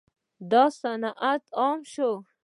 دا صنعت عام شو.